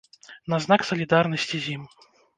На знак салідарнасці з ім.